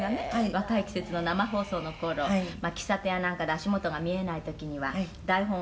『若い季節』の生放送の頃喫茶店やなんかで足元が見えない時には台本を下に置いて」